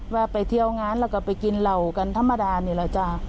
ว่าไปเที่ยวงานแล้วก็ไปกินเหล่ากันธรรมดานี่แหละจ้ะ